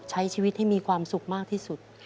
ใช้ชีวิตให้มีความสุขมากที่สุด